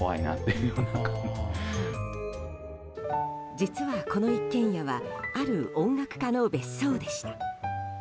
実は、この一軒家はある音楽家の別荘でした。